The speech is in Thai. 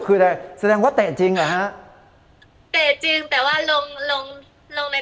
คืออะไรแสดงว่าเตะจริงเหรอฮะเตะจริงแต่ว่าลงลงใน